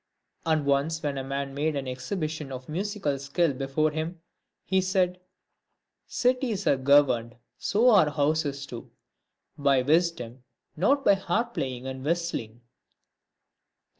And once when a man made an exhibition of musical skill before him, he said :—" Cities are governed,, so are houses too, *• By wisdom, not by harp playing and whistling."